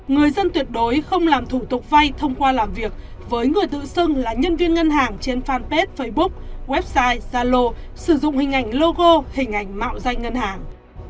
người dân tuyệt đối không làm thủ tục vay thông qua làm việc với người tự xưng là nhân viên ngân hàng trên fanpage facebook zalo sử dụng hình ảnh logo hình ảnh mạo danh ngân hàng